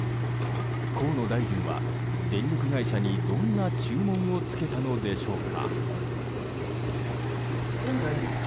河野大臣は電力会社にどんな注文を付けたのでしょうか。